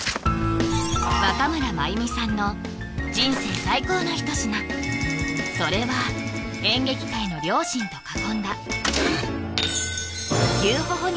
若村麻由美さんの人生最高の一品それは演劇界の両親と囲んだ